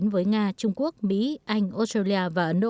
với nga trung quốc mỹ anh australia và ấn độ